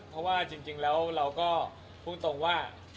เพราะว่าเราก็คุ้งตรงว่า